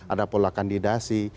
ada pola kandidasi